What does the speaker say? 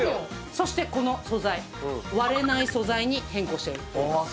そしてこの素材割れない素材に変更しております